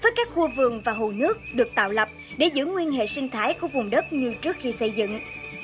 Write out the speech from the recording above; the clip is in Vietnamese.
với các khu vườn và hồ nước được tạo lập để giữ nguyên hệ sinh thái của vùng đất như trước khi xây dựng